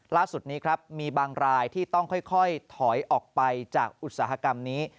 ล่าสุดนี้ครับมีบางรายที่ต้องค่อยถอยออกไปจากอุตสาหกรรมนี้